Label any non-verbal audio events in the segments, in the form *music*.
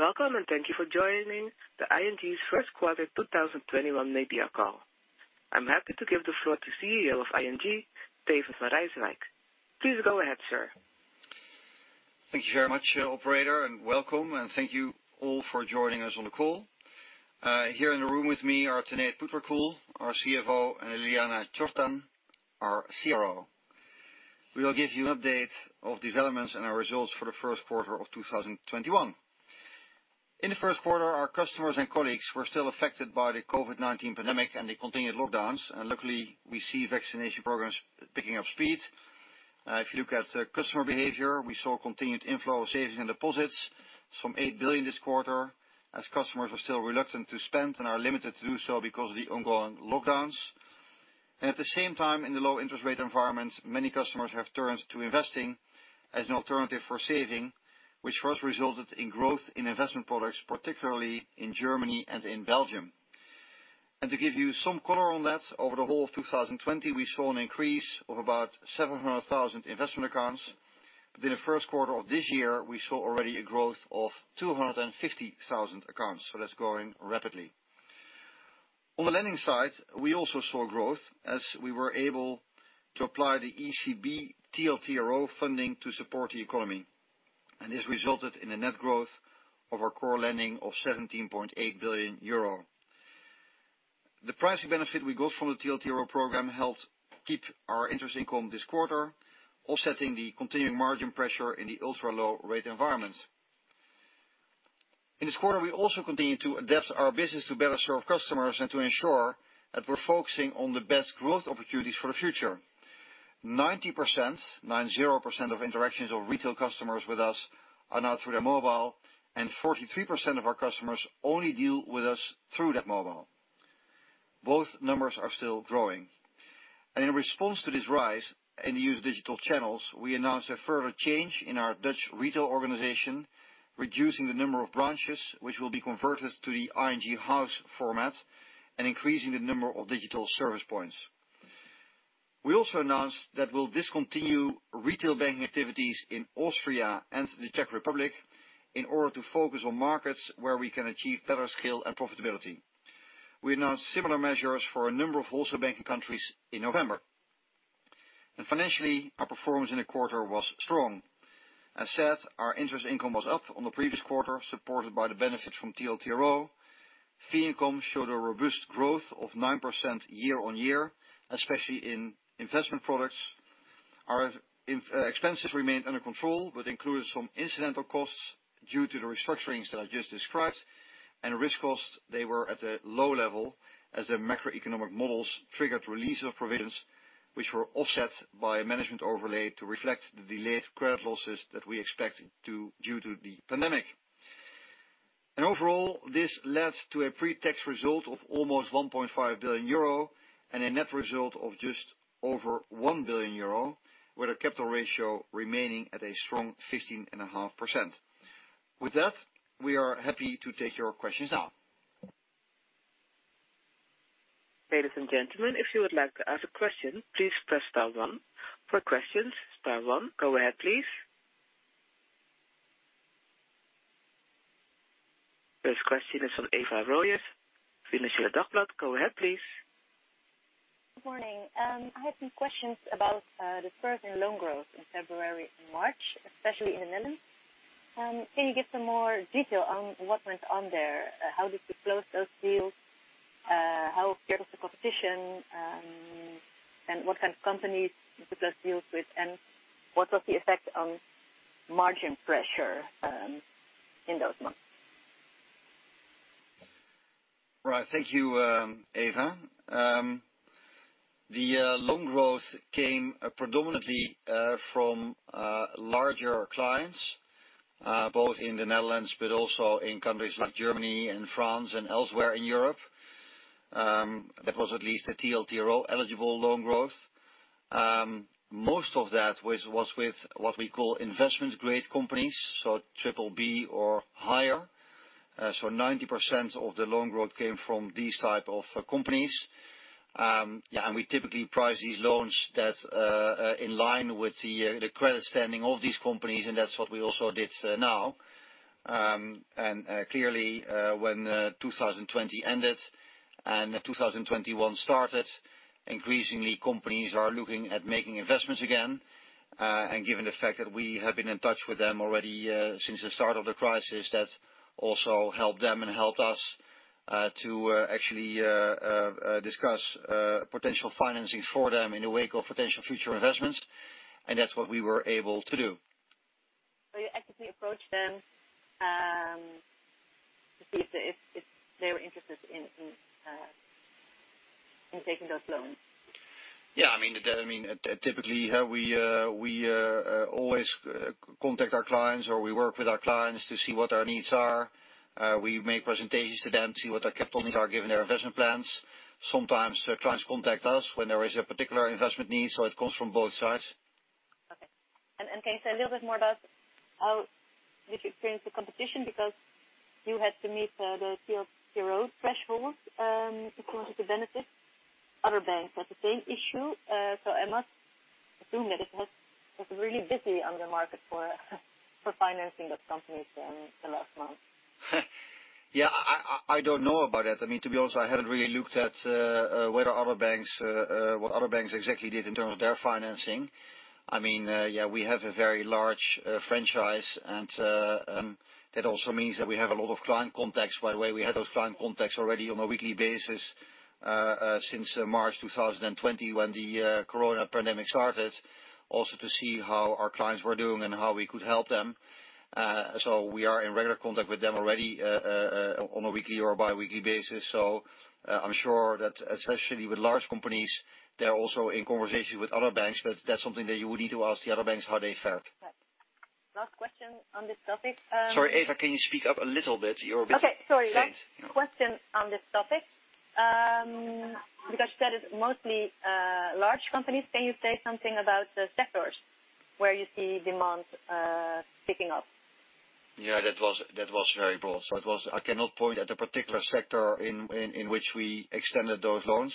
Welcome, thank you for joining the ING first quarter 2021 media call. I'm happy to give the floor to CEO of ING, Steven van Rijswijk. Please go ahead, sir. Thank you very much, operator, and welcome, and thank you all for joining us on the call. Here in the room with me are Tanate Phutrakul, our CFO, and Ljiljana Čortan, our CRO. We will give you update of developments and our results for the first quarter of 2021. In the first quarter, our customers and colleagues were still affected by the COVID-19 pandemic and the continued lockdowns. Luckily, we see vaccination programs picking up speed. If you look at customer behavior, we saw continued inflow of savings and deposits, some 8 billion this quarter, as customers are still reluctant to spend and are limited to do so because of the ongoing lockdowns. At the same time, in the low interest rate environments, many customers have turned to investing as an alternative for saving, which first resulted in growth in investment products, particularly in Germany and in Belgium. To give you some color on that, over the whole of 2020, we saw an increase of about 700,000 investment accounts. In the first quarter of this year, we saw already a growth of 250,000 accounts. That's growing rapidly. On the lending side, we also saw growth as we were able to apply the ECB TLTRO funding to support the economy, and this resulted in a net growth of our core lending of 17.8 billion euro. The pricing benefit we got from the TLTRO program helped keep our interest income this quarter, offsetting the continuing margin pressure in the ultra-low rate environments. In this quarter, we also continued to adapt our business to better serve customers and to ensure that we're focusing on the best growth opportunities for the future. 90%, 90% of interactions of retail customers with us are now through their mobile, and 43% of our customers only deal with us through that mobile. Both numbers are still growing. In response to this rise in the used digital channels, we announced a further change in our Dutch retail organization, reducing the number of branches which will be converted to the ING House format and increasing the number of digital service points. We also announced that we'll discontinue retail banking activities in Austria and the Czech Republic in order to focus on markets where we can achieve better scale and profitability. We announced similar measures for a number of wholesale banking countries in November. Financially, our performance in the quarter was strong. As said, our interest income was up on the previous quarter, supported by the benefits from TLTRO. Fee income showed a robust growth of 9% year-on-year, especially in investment products. Our expenses remained under control, but included some incidental costs due to the restructurings that I just described, and risk costs, they were at a low level as the macroeconomic models triggered release of provisions which were offset by management overlay to reflect the delayed credit losses that we expected due to the pandemic. Overall, this led to a pre-tax result of almost 1.5 billion euro and a net result of just over 1 billion euro, with a capital ratio remaining at a strong 15.5%. With that, we are happy to take your questions now. Ladies and gentlemen, if you would like to ask a question, please press star one. For questions, star one. Go ahead, please. First question is from Eva Royes, Financieele Dagblad. Go ahead, please. Good morning. I have some questions about the spurt in loan growth in February and March, especially in the Netherlands. Can you give some more detail on what went on there? How did you close those deals? How scared was the competition, and what kind of companies did those deals with, and what was the effect on margin pressure in those months? Right. Thank you, Eva. The loan growth came predominantly from larger clients, both in the Netherlands but also in countries like Germany and France and elsewhere in Europe. That was at least the TLTRO-eligible loan growth. Most of that was with what we call investment-grade companies, so triple B or higher. 90% of the loan growth came from these type of companies. Yeah, we typically price these loans that in line with the credit standing of these companies, and that's what we also did now. Clearly, when 2020 ended and 2021 started, increasingly companies are looking at making investments again. Given the fact that we have been in touch with them already since the start of the crisis, that's also helped them and helped us, to actually discuss potential financing for them in the wake of potential future investments, and that's what we were able to do. You actively approach them to see if they're interested in taking those loans. Yeah. Typically, we always contact our clients, or we work with our clients to see what their needs are. We make presentations to them to see what their capital needs are, given their investment plans. Sometimes clients contact us when there is a particular investment need, so it comes from both sides. Okay. Can you say a little bit more about how did you experience the competition, because you had to meet the TLTRO thresholds to qualify the benefit. Other banks had the same issue. I assume that it was really busy on the market for financing those companies in the last month. I don't know about that. To be honest, I haven't really looked at what other banks exactly did in terms of their financing. We have a very large franchise, and that also means that we have a lot of client contacts. By the way, we had those client contacts already on a weekly basis since March 2020 when the Corona pandemic started, also to see how our clients were doing and how we could help them. We are in regular contact with them already on a weekly or biweekly basis. I'm sure that especially with large companies, they're also in conversations with other banks, but that's something that you would need to ask the other banks how they felt. Right. Last question on this topic. Sorry, Eva, can you speak up a little bit? You're a bit faint. Okay. Sorry. Last question on this topic. Because you said it's mostly large companies, can you say something about the sectors where you see demand picking up? That was very broad. I cannot point at a particular sector in which we extended those loans.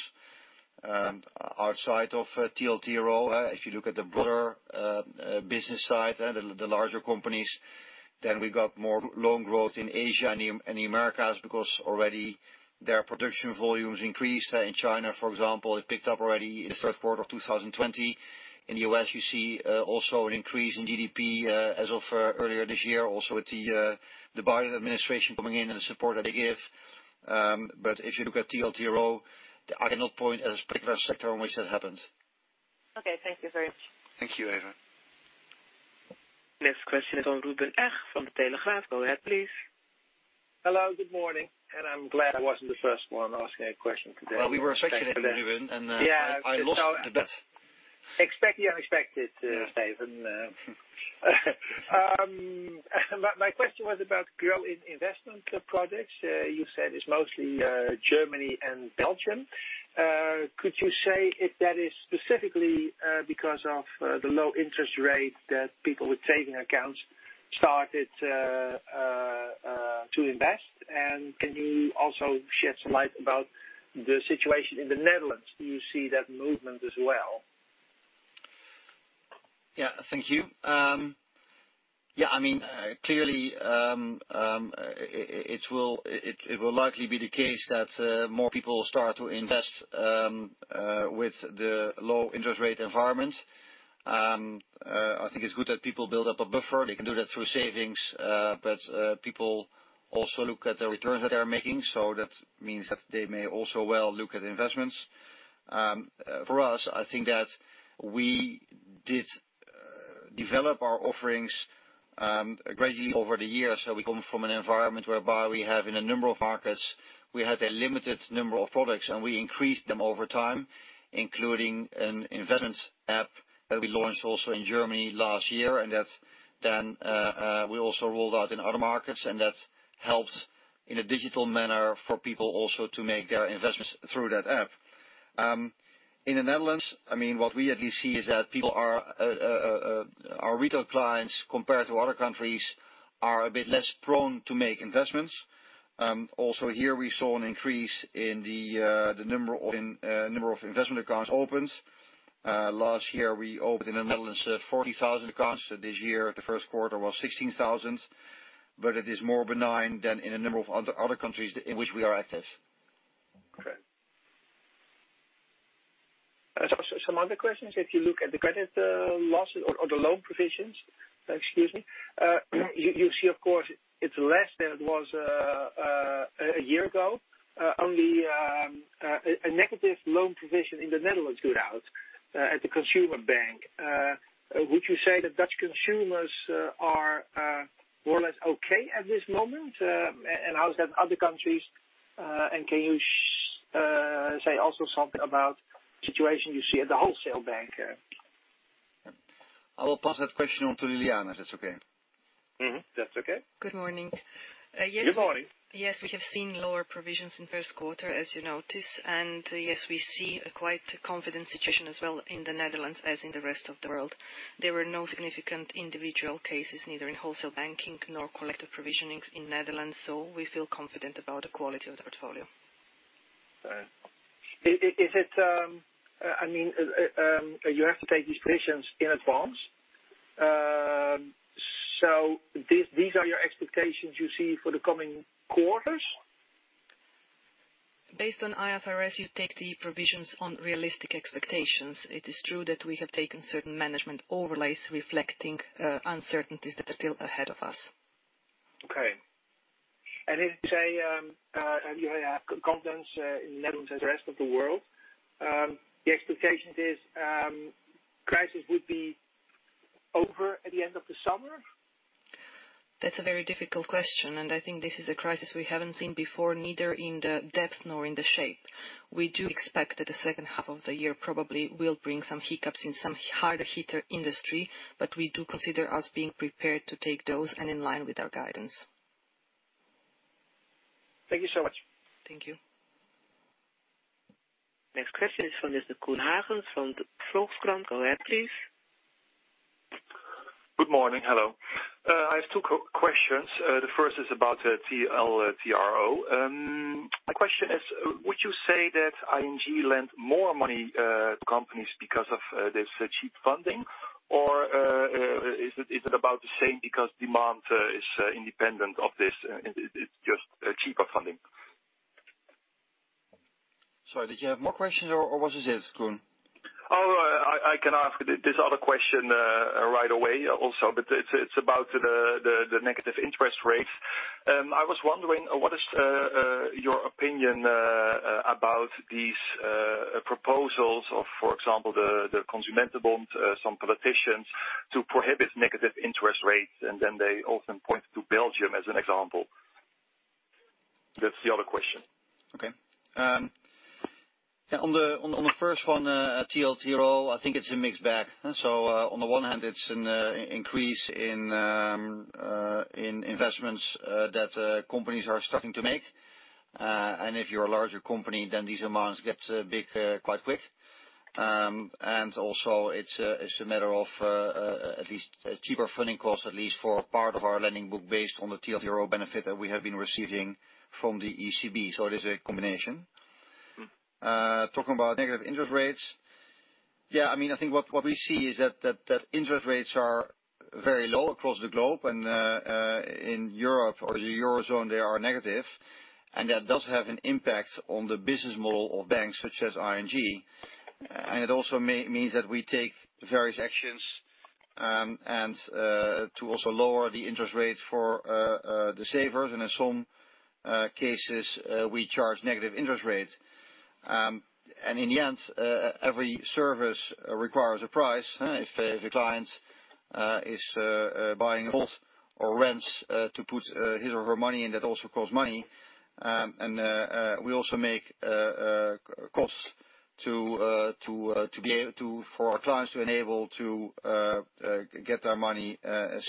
Outside of TLTRO, if you look at the broader business side and the larger companies, then we got more loan growth in Asia and the Americas because already their production volumes increased. In China, for example, it picked up already in the first quarter of 2020. In the U.S., you see also an increase in GDP as of earlier this year, also with the Biden administration coming in and the support that they give. If you look at TLTRO, I cannot point at a particular sector in which that happens. Okay. Thank you very much. Thank you, Eva. Next question is from Ruben Eg from De Telegraaf. Go ahead, please. Hello, good morning. I'm glad I wasn't the first one asking a question today. Well, we were expecting you, Ruben. Yeah. I lost the bet. Expect the unexpected, Steven. My question was about growth in investment products. You said it's mostly Germany and Belgium. Could you say if that is specifically because of the low interest rate that people with saving accounts started to invest? Can you also shed some light about the situation in the Netherlands? Do you see that movement as well? Thank you. Clearly, it will likely be the case that more people start to invest with the low interest rate environment. I think it's good that people build up a buffer. They can do that through savings. People also look at the returns that they're making, so that means that they may also well look at investments. For us, I think that we did develop our offerings gradually over the years. We come from an environment whereby we have in a number of markets, we had a limited number of products, and we increased them over time, including an investment app that we launched also in Germany last year. That then we also rolled out in other markets, and that's helped in a digital manner for people also to make their investments through that app. In the Netherlands, what we at least see is that our retail clients, compared to other countries, are a bit less prone to make investments. Also here, we saw an increase in the number of investment accounts opened. Last year, we opened in the Netherlands 40,000 accounts. This year, the first quarter was 16,000. It is more benign than in a number of other countries in which we are active. Okay. Some other questions. If you look at the credit losses or the loan provisions, excuse me, you see, of course, it's less than it was a year ago. Only a negative loan provision in the Netherlands stood out at the consumer bank. Would you say that Dutch consumers are more or less okay at this moment? How is that in other countries? Can you say also something about the situation you see at the wholesale bank? I will pass that question on to Ljiljana, if that's okay. Mm-hmm. That's okay. Good morning. Good morning. Yes, we have seen lower provisions in first quarter, as you notice. Yes, we see a quite confident situation as well in the Netherlands, as in the rest of the world. There were no significant individual cases, neither in wholesale banking nor collective provisionings in the Netherlands, so we feel confident about the quality of the portfolio. You have to take these provisions in advance. These are your expectations you see for the coming quarters? Based on IFRS, you take the provisions on realistic expectations. It is true that we have taken certain management overlays reflecting uncertainties that are still ahead of us. Okay. If you have confidence in the Netherlands and the rest of the world, the expectation is crisis would be over at the end of the summer? That's a very difficult question, and I think this is a crisis we haven't seen before, neither in the depth nor in the shape. We do expect that the second half of the year probably will bring some hiccups in some harder hit industry, but we do consider us being prepared to take those and in line with our guidance. Thank you so much. Thank you. Next question is from Mr. Koen Hagen from de Volkskrant. Go ahead, please. Good morning. Hello. I have two questions. The first is about TLTRO. My question is, would you say that ING lent more money to companies because of this cheap funding, or is it about the same because demand is independent of this, it's just cheaper funding? Sorry, did you have more questions or was this it, Koen? I can ask this other question right away also, but it's about the negative interest rates. I was wondering, what is your opinion about these proposals of, for example, the Consumentenbond, some politicians, to prohibit negative interest rates, and then they often point to Belgium as an example. That's the other question. On the first one, TLTRO, I think it's a mixed bag. On the one hand, it's an increase in investments that companies are starting to make. If you're a larger company, these amounts get big quite quick. Also it's a matter of at least cheaper funding costs, at least for part of our lending book based on the TLTRO benefit that we have been receiving from the ECB. It is a combination. Talking about negative interest rates. I think what we see is that interest rates are very low across the globe, and in Europe or the Eurozone, they are negative, and that does have an impact on the business model of banks such as ING. It also means that we take various actions to also lower the interest rates for the savers, and in some cases, we charge negative interest rates. In the end, every service requires a price. If a client is buying a vault or rents to put his or her money in, that also costs money. We also make costs for our clients to enable to get their money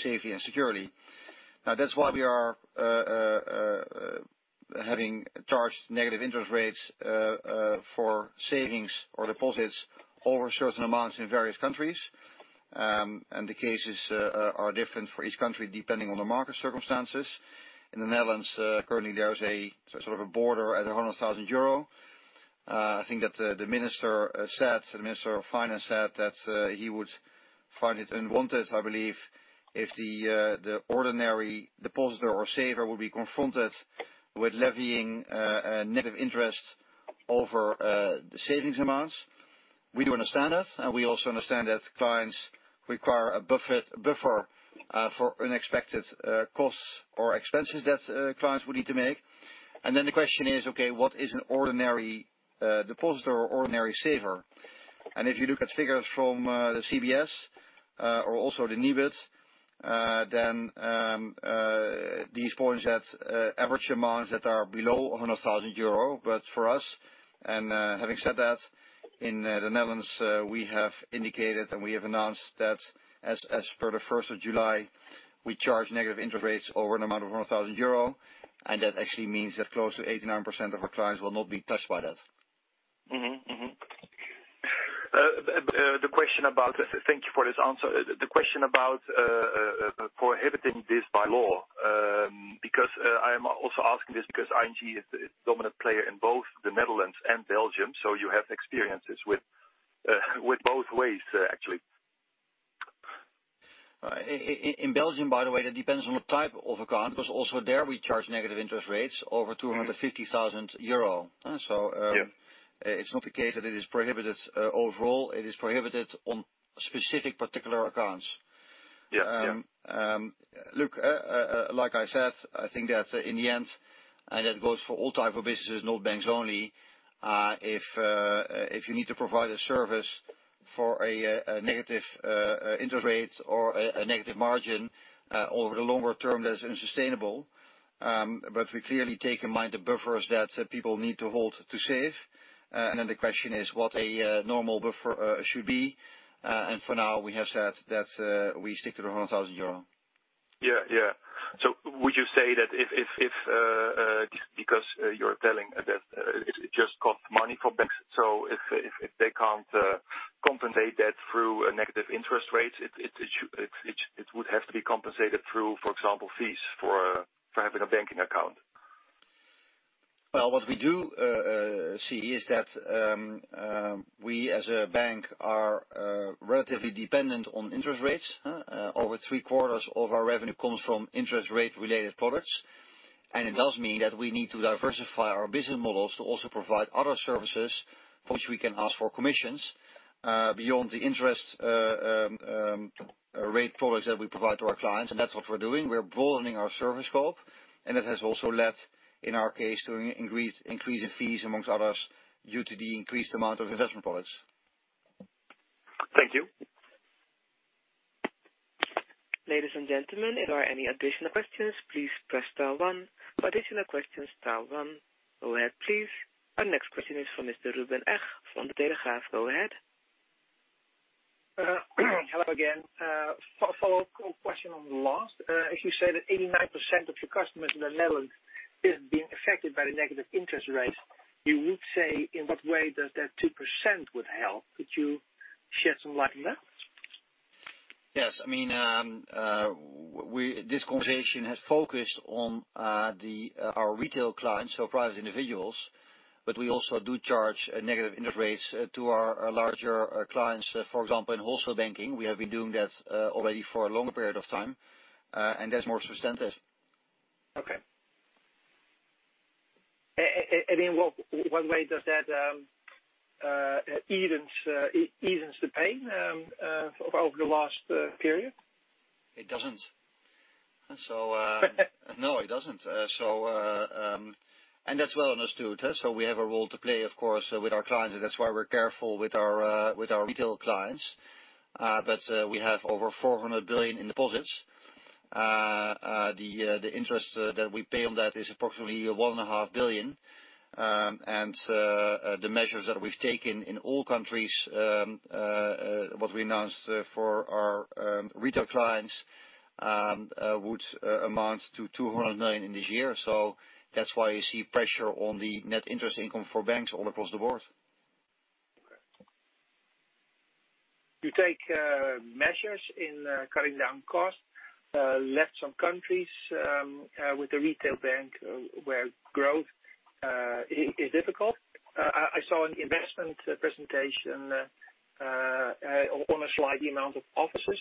safely and securely. Now that's why we are having charged negative interest rates for savings or deposits over certain amounts in various countries. The cases are different for each country, depending on the market circumstances. In the Netherlands, currently there is a sort of a border at 100,000 euro. I think that the Minister of Finance said that he would find it unwanted, I believe, if the ordinary depositor or saver will be confronted with levying negative interest over the savings amounts. We do understand that, and we also understand that clients require a buffer for unexpected costs or expenses that clients would need to make. The question is, okay, what is an ordinary depositor or ordinary saver? If you look at figures from the CBS or also the Nibud, these point at average amounts that are below 100,000 euro. For us, and having said that, in the Netherlands, we have indicated and we have announced that as per the 1st of July, we charge negative interest rates over an amount of 100,000 euro. That actually means that close to 89% of our clients will not be touched by that. Mm-hmm. Thank you for this answer. The question about prohibiting this by law, because I am also asking this because ING is a dominant player in both the Netherlands and Belgium, so you have experiences with both ways, actually. In Belgium, by the way, that depends on the type of account, because also there we charge negative interest rates over 250,000 euro. It's not the case that it is prohibited overall. It is prohibited on specific particular accounts. Yeah. Look, like I said, I think that in the end, that goes for all type of businesses, not banks only, if you need to provide a service for a negative interest rate or a negative margin over the longer term, that's unsustainable. We clearly take in mind the buffers that people need to hold to save. The question is what a normal buffer should be. For now, we have said that we stick to the 100,000 euro. Yeah. Would you say that if, because you're telling that it just costs money for banks, so if they can't compensate that through negative interest rates, it would have to be compensated through, for example, fees for having a banking account? What we do see is that we as a bank are relatively dependent on interest rates. Over three quarters of our revenue comes from interest rate related products. It does mean that we need to diversify our business models to also provide other services for which we can ask for commissions beyond the interest rate products that we provide to our clients. That's what we're doing. We're broadening our service scope, and it has also led, in our case, to an increase in fees, amongst others, due to the increased amount of investment products. Thank you. Ladies and gentlemen, if there are any additional questions, please press star one. For additional questions, star one. Go ahead, please. Our next question is from Mr. Ruben Eg from De Telegraaf. Go ahead. Hello again. A follow-up question on the last. If you say that 89% of your customers in the Netherlands is being affected by the negative interest rates. You would say in what way does that 2% would help? Could you shed some light on that? Yes. This conversation has focused on our retail clients, so private individuals. We also do charge negative interest rates to our larger clients. For example, in wholesale banking, we have been doing that already for a longer period of time, and that's more substantive. Okay. In what way does that easens the pain, over the last period? It doesn't. No, it doesn't. That weighs on is too. We have a role to play, of course, with our clients, and that's why we're careful with our retail clients. We have over 400 billion in deposits. The interest that we pay on that is approximately 1.5 billion. The measures that we've taken in all countries, what we announced for our retail clients, would amount to 200 million in this year. That's why you see pressure on the net interest income for banks all across the board. Okay. You take measures in cutting down costs, left some countries, with the retail bank, where growth is difficult. I saw an investment presentation on a slide, the amount of offices,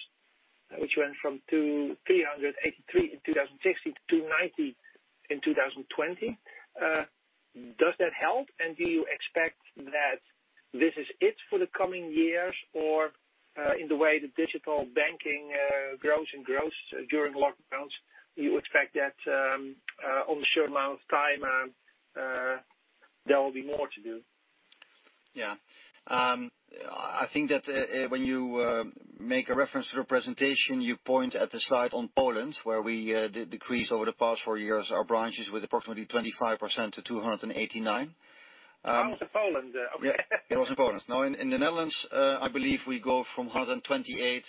which went from 383 in 2016 to 290 in 2020. Does that help? Do you expect that this is it for the coming years? In the way that digital banking grows and grows during lockdowns, you expect that, on a short amount of time, there will be more to do? I think that when you make a reference to the presentation, you point at the slide on Poland, where we did decrease over the past four years, our branches with approximately 25% to 289. That was in Poland. Okay. It was in Poland. Now in the Netherlands, I believe we go from 128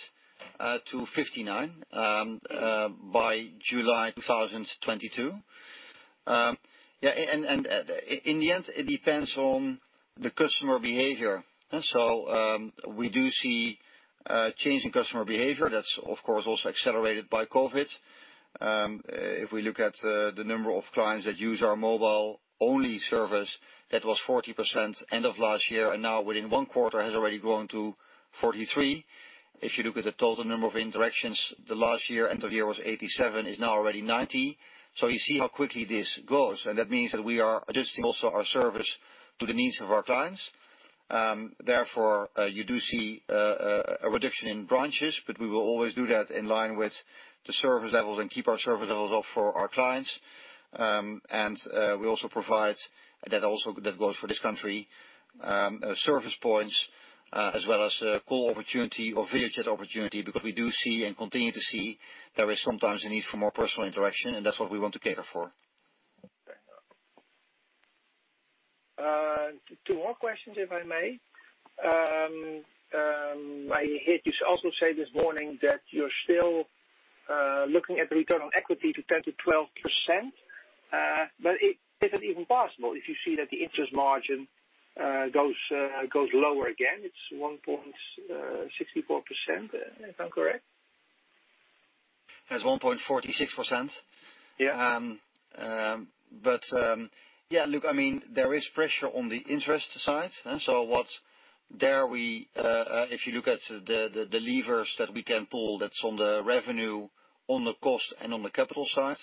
to 59, by July 2022. Yeah, in the end, it depends on the customer behavior. We do see a change in customer behavior that's, of course, also accelerated by COVID. If we look at the number of clients that use our mobile-only service, that was 40% end of last year, and now within one quarter has already grown to 43%. If you look at the total number of interactions the last year, end of year was 87, is now already 90. You see how quickly this goes, and that means that we are adjusting also our service to the needs of our clients. Therefore, you do see a reduction in branches, but we will always do that in line with the service levels and keep our service levels up for our clients. We also provide, that goes for this country, service points, as well as call opportunity or video chat opportunity, because we do see and continue to see there is sometimes a need for more personal interaction, and that's what we want to cater for. Two more questions, if I may. I heard you also say this morning that you're still looking at the return on equity to 10%-12%. Is it even possible if you see that the interest margin goes lower again? It's 1.64%, if I'm correct. It's 1.46%. Yeah. Yeah, look, there is pressure on the interest side. What's there, if you look at the levers that we can pull, that's on the revenue, on the cost, and on the capital side.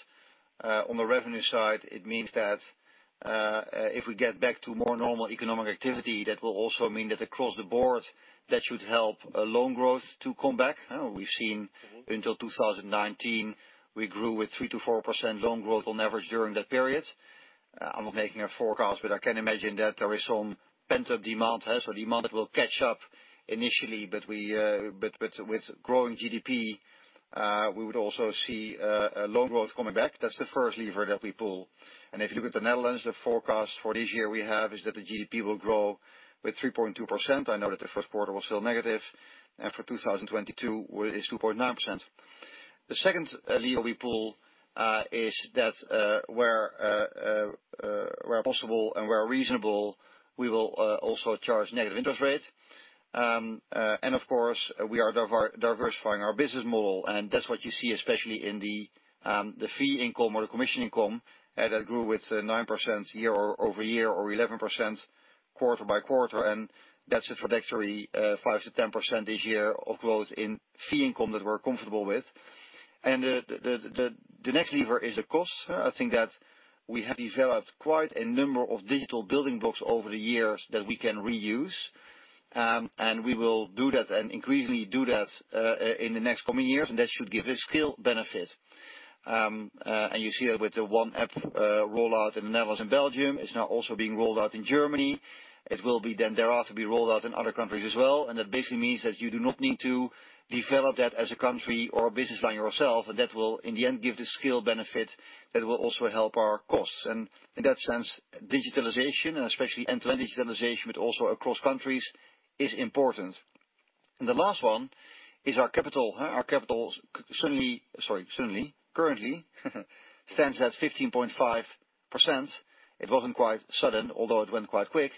On the revenue side, it means that, if we get back to more normal economic activity, that will also mean that across the board, that should help loan growth to come back. We've seen until 2019, we grew with 3%-4% loan growth on average during that period. I'm not making a forecast, but I can imagine that there is some pent-up demand. Demand that will catch up initially, but with growing GDP, we would also see loan growth coming back. That's the first lever that we pull. If you look at the Netherlands, the forecast for this year we have is that the GDP will grow with 3.2%. I know that the first quarter was still negative. For 2022 it's 2.9%. The second lever we pull is that, where possible and where reasonable, we will also charge negative interest rates. Of course, we are diversifying our business model, and that's what you see, especially in the fee income or the commission income, that grew with 9% year-over-year or 11% quarter-by-quarter. That's a trajectory 5%-10% this year of growth in fee income that we're comfortable with. The next lever is the cost. I think that we have developed quite a number of digital building blocks over the years that we can reuse. We will do that and increasingly do that in the next coming years. That should give a scale benefit. You see that with the One App rollout in the Netherlands and Belgium. It's now also being rolled out in Germany. It will be then thereafter be rolled out in other countries as well. That basically means that you do not need to develop that as a country or a business line yourself. That will in the end give the scale benefit that will also help our costs. In that sense, digitalization, and especially end-to-end digitalization, but also across countries, is important. The last one is our capital. Our capital currently stands at 15.5%. It wasn't quite sudden, although it went quite quick.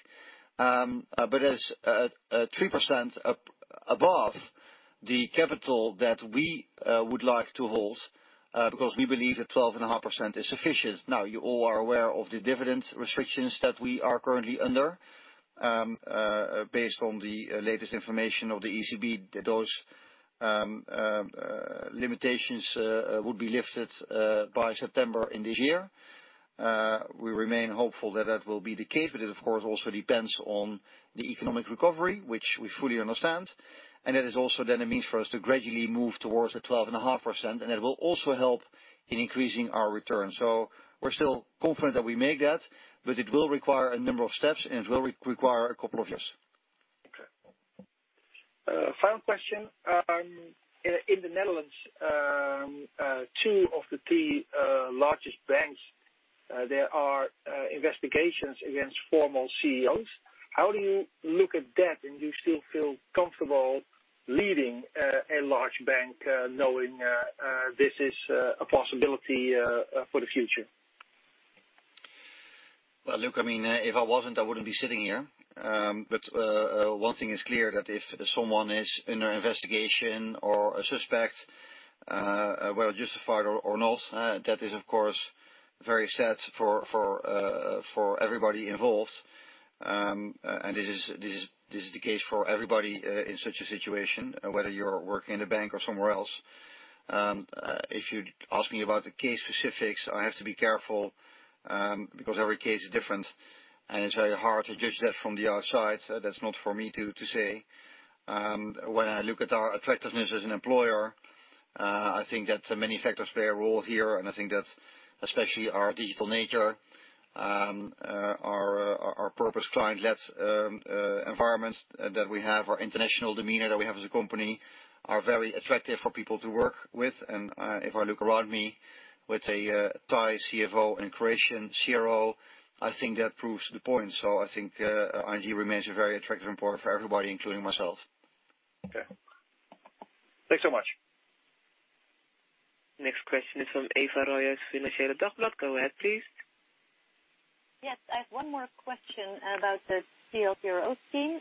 It is 3% above the capital that we would like to hold, because we believe that 12.5% is sufficient. Now, you all are aware of the dividend restrictions that we are currently under. Based on the latest information of the ECB, those limitations will be lifted by September in this year. We remain hopeful that that will be the case, but it, of course, also depends on the economic recovery, which we fully understand. That is also then a means for us to gradually move towards the 12.5%, and it will also help in increasing our returns. We're still confident that we'll make that, but it will require a number of steps and it will require a couple of years. Okay. Final question. In the Netherlands, two of the three largest banks, there are investigations against former CEOs. How do you look at that, and do you still feel comfortable leading a large bank knowing this is a possibility for the future? Well, look, if I wasn't, I wouldn't be sitting here. One thing is clear, that if someone is under investigation or a suspect, whether justified or not, that is, of course, very sad for everybody involved. This is the case for everybody in such a situation, whether you're working in a bank or somewhere else. If you'd ask me about the case specifics, I have to be careful, because every case is different, and it's very hard to judge that from the outside. That's not for me to say. When I look at our attractiveness as an employer, I think that many factors play a role here, and I think that especially our digital nature, our purpose client-led environments that we have, our international demeanor that we have as a company, are very attractive for people to work with. If I look around me with a Thai CFO and a Croatian CRO, I think that proves the point. I think ING remains a very attractive employer for everybody, including myself. Okay. Thanks so much. Next question is from Eva Royes, Financieele Dagblad. Go ahead, please. Yes. I have one more question about the TLTRO theme.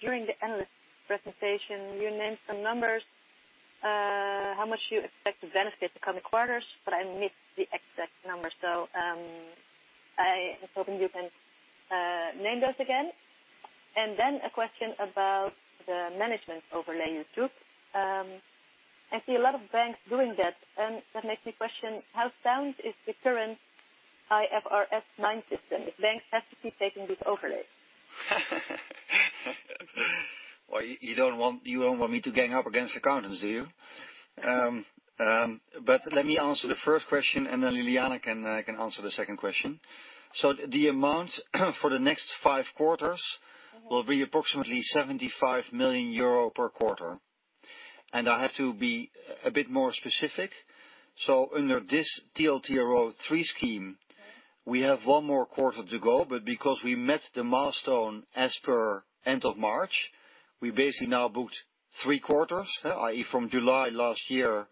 During the analyst presentation, you named some numbers, how much you expect to benefit the coming quarters, but I missed the exact numbers. I was hoping you can name those again. A question about the management overlay you took. I see a lot of banks doing that, and that makes me question, how sound is the current IFRS 9 system if banks have to keep taking these overlays? You don't want me to gang up against accountants, do you? Let me answer the first question, and then Ljiljana can answer the second question. The amount for the next five quarters will be approximately 75 million euro per quarter. I have to be a bit more specific. Under this TLTRO III scheme, we have one more quarter to go. Because we met the milestone as per end of March, we basically now booked three quarters, i.e. from July last year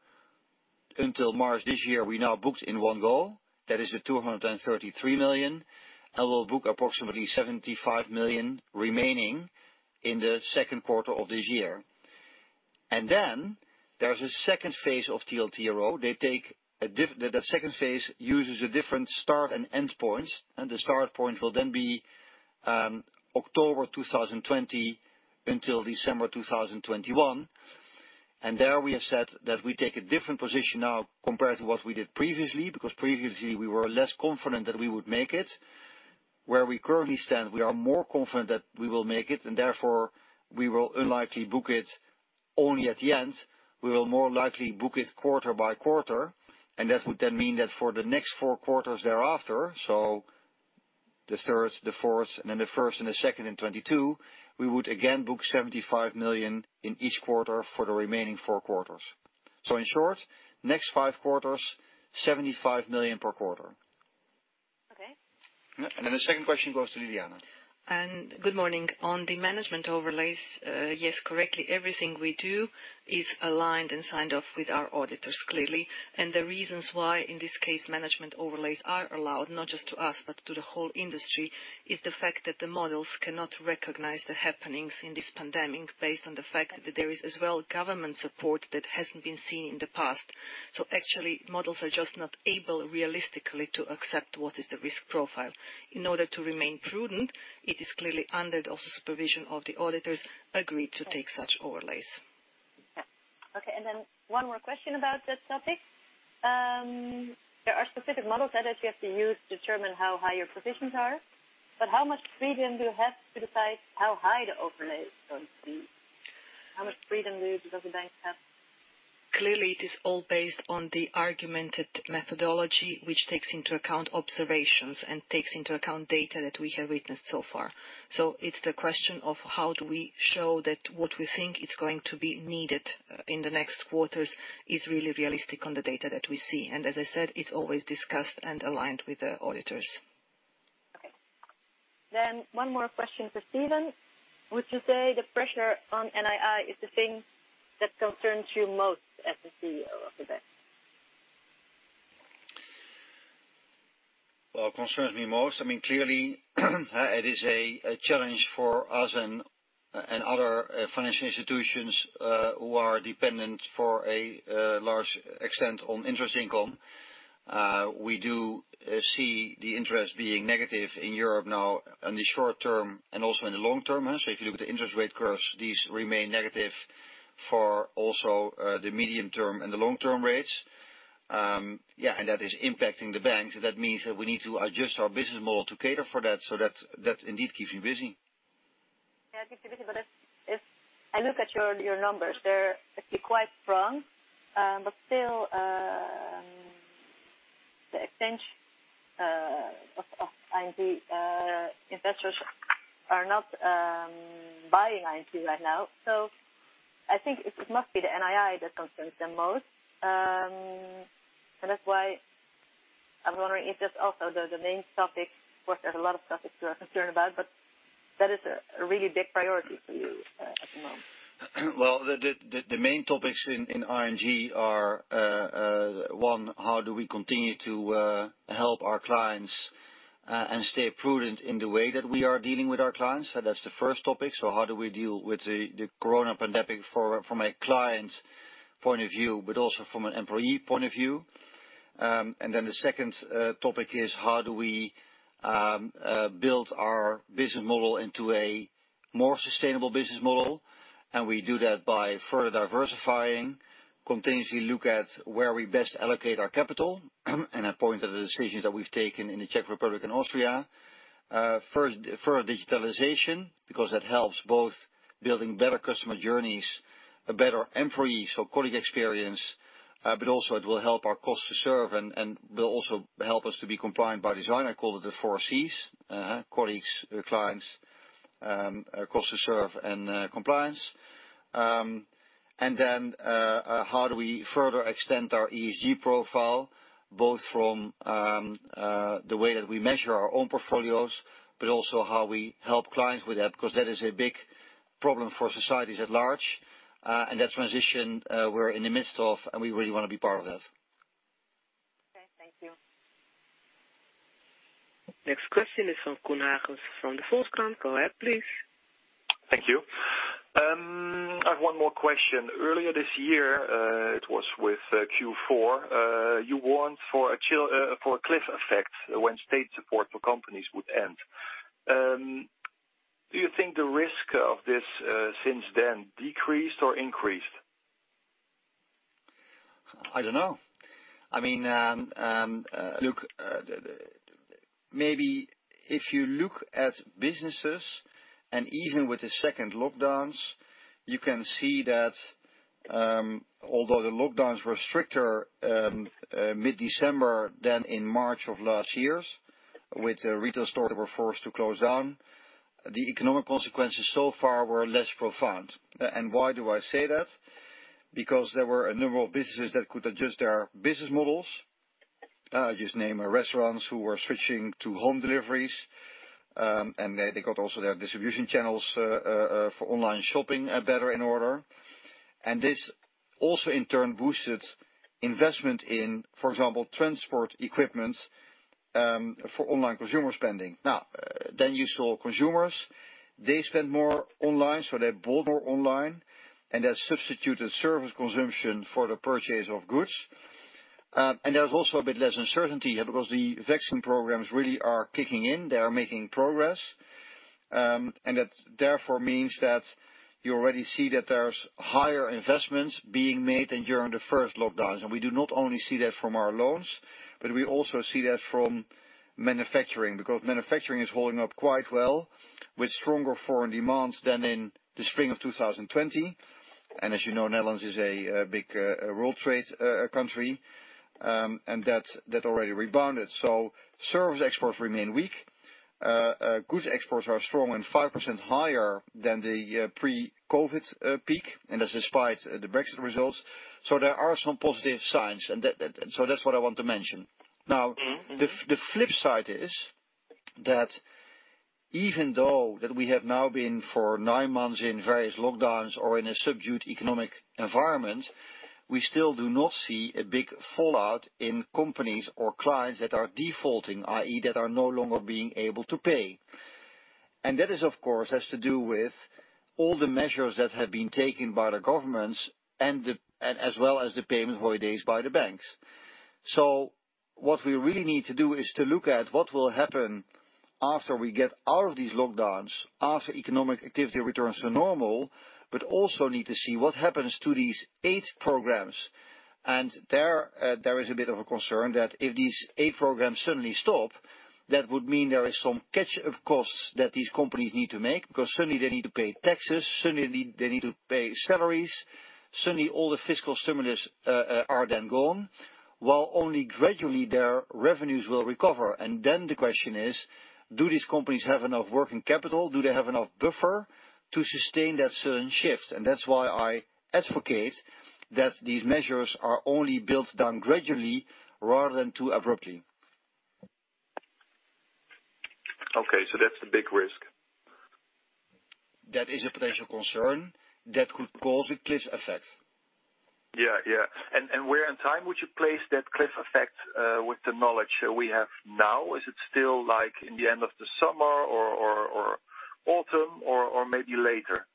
until March this year, we now booked in one go. That is 233 million. We'll book approximately 75 million remaining in the second quarter of this year. There's a second phase of TLTRO. The second phase uses a different start and end points, and the start point will then be October 2020 until December 2021. There we have said that we take a different position now compared to what we did previously. Previously, we were less confident that we would make it. Where we currently stand, we are more confident that we will make it, and therefore, we will unlikely book it only at the end. We will more likely book it quarter by quarter, and that would then mean that for the next four quarters thereafter, so the third, the fourth, and then the first and the second in 2022, we would again book 75 million in each quarter for the remaining four quarters. In short, next five quarters, 75 million per quarter. Okay. The second question goes to Ljiljana. Good morning. On the management overlays, yes, correctly, everything we do is aligned and signed off with our auditors, clearly. The reasons why, in this case, management overlays are allowed, not just to us, but to the whole industry, is the fact that the models cannot recognize the happenings in this pandemic based on the fact that there is as well government support that hasn't been seen in the past. Actually, models are just not able realistically to accept what is the risk profile. In order to remain prudent, it is clearly under the supervision of the auditors agreed to take such overlays. Okay. One more question about that topic. There are specific models that you have to use to determine how high your provisions are. How much freedom do you have to decide how high the management overlay are going to be? How much freedom does a bank have? Clearly, it is all based on the argumented methodology, which takes into account observations and takes into account data that we have witnessed so far. It's the question of how do we show that what we think is going to be needed in the next quarters is really realistic on the data that we see. As I said, it's always discussed and aligned with the auditors. One more question for Steven. Would you say the pressure on NII is the thing that concerns you most as the CEO of the bank? Concerns me most, clearly it is a challenge for us and other financial institutions who are dependent for a large extent on interest income. We do see the interest being negative in Europe now in the short term and also in the long term. If you look at the interest rate curves, these remain negative for also the medium-term and the long-term rates. That is impacting the banks. That means that we need to adjust our business model to cater for that, so that indeed keeps me busy. Yeah, it keeps you busy. If I look at your numbers, they're actually quite strong. Still, the exchange of ING investors are not buying ING right now. I think it must be the NII that concerns them most. That's why I'm wondering if that's also the main topic, of course, there's a lot of topics you are concerned about, but that is a really big priority for you at the moment. The main topics in ING are, one, how do we continue to help our clients, and stay prudent in the way that we are dealing with our clients? That's the first topic. How do we deal with the COVID pandemic from a client's point of view, but also from an employee point of view? The second topic is how do we build our business model into a more sustainable business model? We do that by further diversifying, continuously look at where we best allocate our capital and I point to the decisions that we've taken in the Czech Republic and Austria. Further digitalization, because that helps both building better customer journeys, a better employee, so colleague experience, but also it will help our cost to serve and will also help us to be compliant by design. I call it the four Cs, colleagues, clients, cost-to-serve, and compliance. Then, how do we further extend our ESG profile, both from the way that we measure our own portfolios, but also how we help clients with that, because that is a big problem for societies at large. That transition, we're in the midst of, and we really want to be part of that. Okay. Thank you. Next question is from Koen Hagen from de Volkskrant. Go ahead, please. Thank you. I have one more question. Earlier this year, it was with Q4, you warned for a cliff effect when state support for companies would end. Do you think the risk of this, since then, decreased or increased? I don't know. Maybe if you look at businesses and even with the second lockdowns, you can see that although the lockdowns were stricter mid-December than in March of last year, with retail stores were forced to close down. The economic consequences so far were less profound. Why do I say that? Because there were a number of businesses that could adjust their business models. I just name restaurants who were switching to home deliveries, and they got also their distribution channels for online shopping better in order. This also in turn boosted investment in, for example, transport equipment for online consumer spending. Now, you saw consumers, they spent more online, so they bought more online, and that substituted service consumption for the purchase of goods. There's also a bit less uncertainty because the vaccine programs really are kicking in. They are making progress. That therefore means that you already see that there's higher investments being made than during the first lockdown. We do not only see that from our loans, but we also see that from manufacturing, because manufacturing is holding up quite well with stronger foreign demands than in the spring of 2020. As you know, Netherlands is a big world trade country, and that already rebounded. Service exports remain weak. Goods exports are strong and 5% higher than the pre-COVID-19 peak, and that's despite the Brexit results. There are some positive signs, and so that's what I want to mention. The flip side is that even though that we have now been for nine months in various lockdowns or in a subdued economic environment, we still do not see a big fallout in companies or clients that are defaulting, i.e., that are no longer being able to pay. That is, of course, has to do with all the measures that have been taken by the governments and as well as the payment holidays by the banks. What we really need to do is to look at what will happen after we get out of these lockdowns, after economic activity returns to normal, but also need to see what happens to these aid programs. There is a bit of a concern that if these aid programs suddenly stop, that would mean there is some catch-up costs that these companies need to make, because suddenly they need to pay taxes, suddenly they need to pay salaries, suddenly all the fiscal stimulus are then gone, while only gradually their revenues will recover. Then the question is, do these companies have enough working capital? Do they have enough buffer to sustain that sudden shift? That's why I advocate that these measures are only built down gradually rather than too abruptly. Okay, that's the big risk. That is a potential concern that could cause a cliff effect. Yeah. Where in time would you place that cliff effect with the knowledge we have now? Is it still in the end of the summer or autumn or maybe later?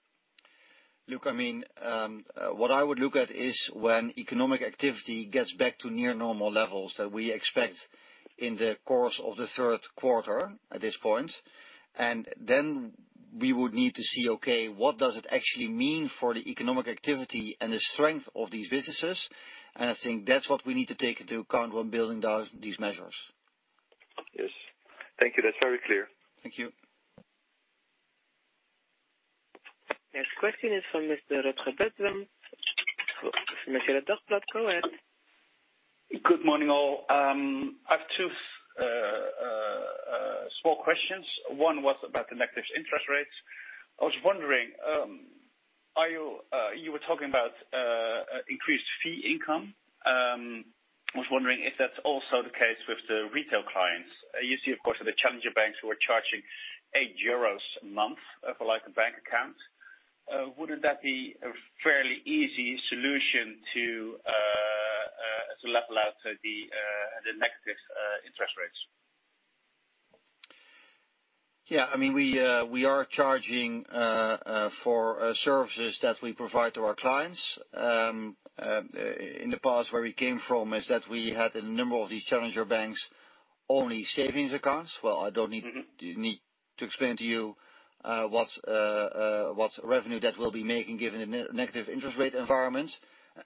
Look, what I would look at is when economic activity gets back to near normal levels that we expect in the course of the third quarter at this point. Then we would need to see, okay, what does it actually mean for the economic activity and the strength of these businesses? I think that's what we need to take into account when building these measures. Yes. Thank you. That's very clear. Thank you. Next question is from Mr. Patrick Luwel from De Tijd. Go ahead. Good morning, all. I've two small questions. One was about the negative interest rates. I was wondering, you were talking about increased fee income. I was wondering if that's also the case with the retail clients. You see, of course, the challenger banks who are charging 8 euros a month for a bank account. Wouldn't that be a fairly easy solution to level out the negative interest rates? Yeah, we are charging for services that we provide to our clients. In the past where we came from is that we had a number of these challenger banks, only savings accounts. Well, I don't need to explain to you what revenue that we'll be making given the negative interest rate environments.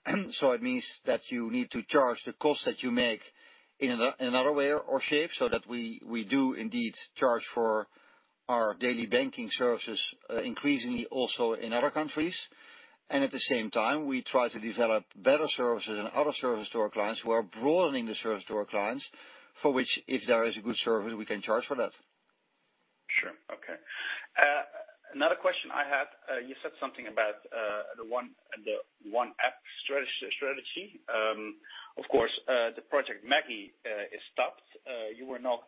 It means that you need to charge the cost that you make in another way or shape so that we do indeed charge for our daily banking services, increasingly also in other countries. At the same time, we try to develop better services and other services to our clients. We are broadening the service to our clients, for which if there is a good service, we can charge for that. Sure. Okay. Another question I had, you said something about the One App strategy. Of course, the Project Maggie is stopped. You were now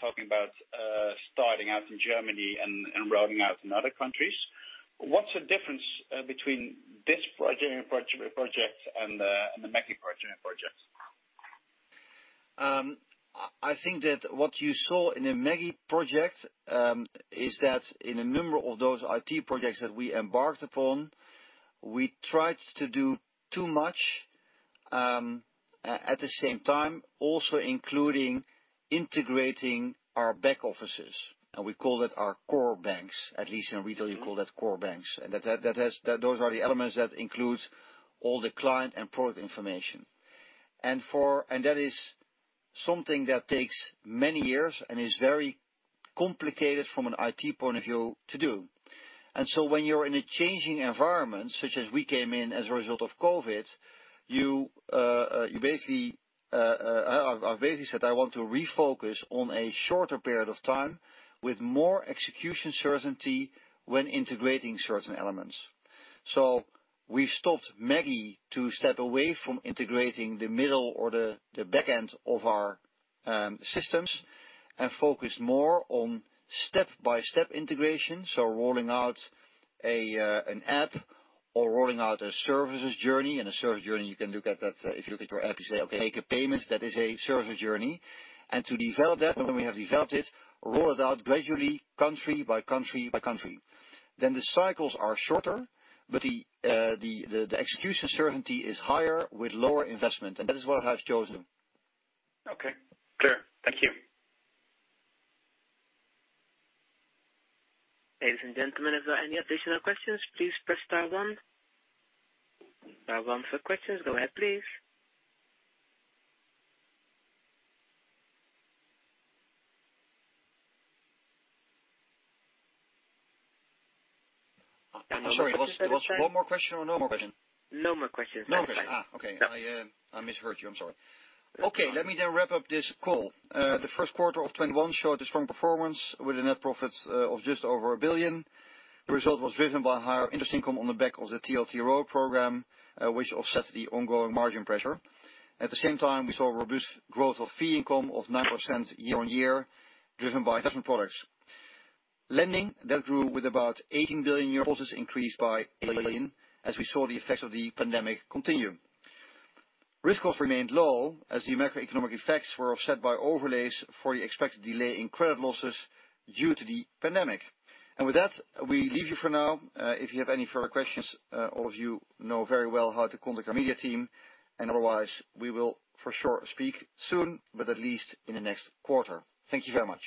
talking about starting out in Germany and rolling out in other countries. What's the difference between this project and the Maggie project? I think that what you saw in a Maggie project, is that in a number of those IT projects that we embarked upon, we tried to do too much, at the same time, also including integrating our back offices, and we call that our core banks, at least in retail, you call that core banks. Those are the elements that includes all the client and product information. That is something that takes many years and is very complicated from an IT point of view to do. When you're in a changing environment, such as we came in as a result of COVID, I've basically said I want to refocus on a shorter period of time with more execution certainty when integrating certain elements. We've stopped Maggie to step away from integrating the middle or the back end of our systems and focus more on step-by-step integration. Rolling out an app or rolling out a services journey and a service journey, you can look at that. If you look at your app, you say, okay, make a payment, that is a service journey. To develop that, and when we have developed it, roll it out gradually country by country by country. The cycles are shorter, but the execution certainty is higher with lower investment, and that is what I have chosen. Okay. Clear. Thank you. Ladies and gentlemen, if there are any additional questions, please press star one. Star one for questions. Go ahead, please. Sorry, it was one more question or no more question? No more questions. No questions. Okay. I misheard you. I'm sorry. Okay, let me then wrap up this call. The first quarter of 2021 showed a strong performance with a net profit of just over 1 billion. The result was driven by higher interest income on the back of the TLTRO program, which offsets the ongoing margin pressure. At the same time, we saw robust growth of fee income of 9% year-on-year, driven by investment products. Lending, that grew with about 18 billion euros increased *audio distortion* as we saw the effects of the pandemic continue. Risk costs remained low as the macroeconomic effects were offset by overlays for the expected delay in credit losses due to the pandemic. With that, we leave you for now. If you have any further questions, all of you know very well how to contact our media team, and otherwise, we will for sure speak soon, but at least in the next quarter. Thank you very much.